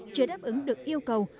chưa đáp ứng được yêu cầu